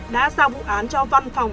đã giao vụ án cho văn phòng